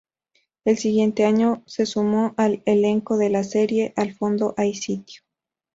El siguiente año se sumó al elenco de la serie "Al fondo hay sitio".